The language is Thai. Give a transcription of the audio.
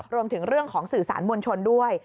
รวมถึงเรื่องของสื่อสารมวลชนด้วย